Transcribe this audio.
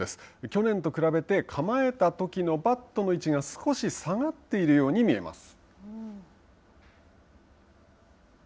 去年と比べて構えたときのバットの位置が少し下がっているように見えます。